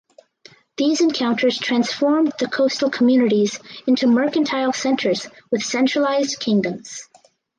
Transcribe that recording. These encounters transformed the coastal communities into mercantile centers within centralized kingdoms.